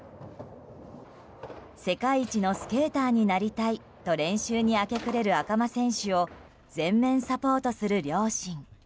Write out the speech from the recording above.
世界一のスケーターになりたいと練習に明け暮れる赤間選手を全面サポートする両親。